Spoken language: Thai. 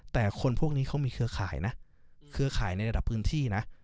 แต่คนพวกนี้เขามีเครือข่ายนะเครือข่ายในระดับพื้นที่นะ